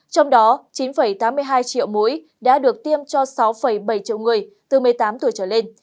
trong đó chín tám mươi hai triệu mũi đã được tiêm cho sáu bảy triệu người từ một mươi tám tuổi trở lên